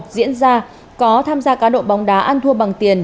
diễn ra có tham gia cá độ bóng đá ăn thua bằng tiền